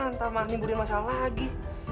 ntar mah nimbunin masalah lagi